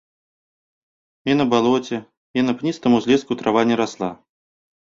І на балоце, і на пністым узлеску трава не расла.